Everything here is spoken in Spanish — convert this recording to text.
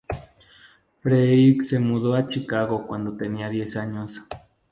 Frederic se mudo a Chicago cuándo tenía diez años.